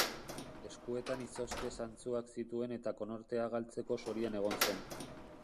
Eskuetan izozte zantzuak zituen eta konortea galtzeko zorian egon zen.